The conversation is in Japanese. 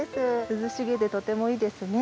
涼しげでとてもいいですね。